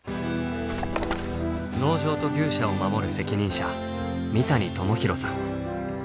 農場と牛舎を守る責任者三谷朋弘さん。